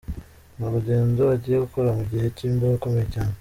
Ni urugendo agiye gukora mu gihe cy'imbeho ikomeye cyane.